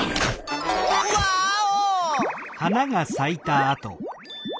ワーオ！